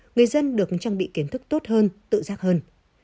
người dân được trang bị kiến thức tốt hơn tự giác hơn